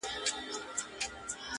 خو اوږده لکۍ يې غوڅه سوه لنډی سو،